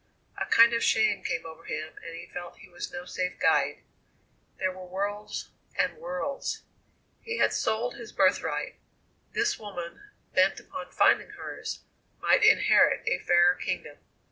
A kind of shame came over him, and he felt he was no safe guide. There were worlds and worlds! He had sold his birthright; this woman, bent upon finding hers, might inherit a fairer kingdom.